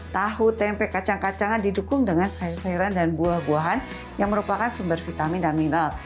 tahu tempe kacang kacangan didukung dengan sayur sayuran dan buah buahan yang merupakan sumber vitamin dan mineral